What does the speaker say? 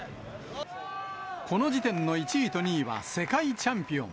この時点の１位と２位は世界チャンピオン。